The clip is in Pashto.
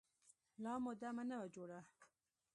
لا مو دمه نه وه جوړه.